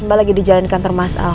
mbak lagi di jalan kantor mas al